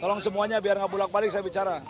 tolong semuanya biar gak bulat balik saya bicara